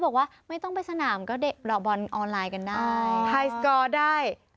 บอกว่าไม่ต้องไปสนามก็ได้รอบอนออนไลน์ได้